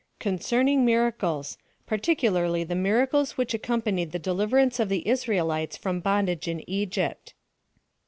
CONCKRNIXG MIRACLES PARTICULARLY THE MIRACLES WHICH ACCOMPANIED THE DELIV ERANCE OF THE ISRAELITES FROM BONDAGE IN EGYPT.